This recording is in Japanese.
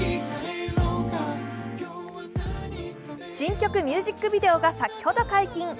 新曲ミュージックビデオが先ほど解禁。